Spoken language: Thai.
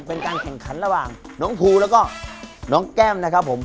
เป็นการแข่งขันระหว่างน้องภูแล้วก็น้องแก้มนะครับผม